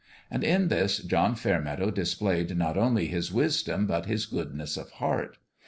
And in this John Fairmeadow displayed not only his wisdom but his goodness of heart.